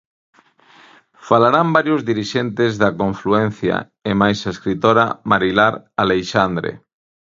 Falarán varios dirixentes da confluencia e mais a escritora Marilar Aleixandre.